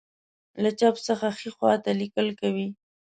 له چپ څخه ښی خواته لیکل کوي.